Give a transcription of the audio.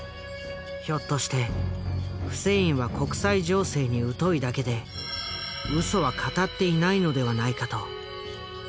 ひょっとしてフセインは国際情勢に疎いだけでウソは語っていないのではないかと。